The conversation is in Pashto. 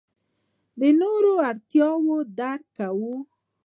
د نورو اړتیاوې درک کوو.